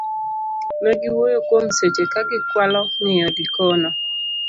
negi wuoyo kuom seche ka gikwalo ng'iyo Likono